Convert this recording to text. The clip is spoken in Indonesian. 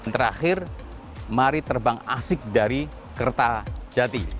terakhir mari terbang asik dari kertajati